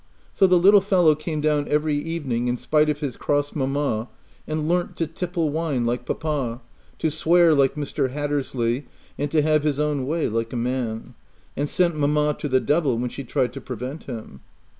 So the little fellow came down every evening, in spite of his cross mamma, and learnt to tipple wine like papa, to swear like Mr. Hattersley, and to have his own way like a man, and sent mamma to the devil when she tried to prevent him.